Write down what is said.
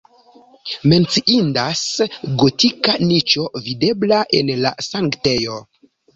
Menciindas gotika niĉo videbla en la sanktejo.